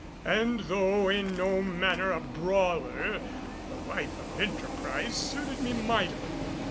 And though in no manner a brawler, a life of enterprise suited me mightily.